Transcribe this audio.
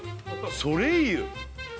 それいゆ？